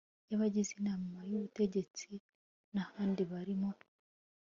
y abagize Inama y Ubutegetsi n ahandi bari mu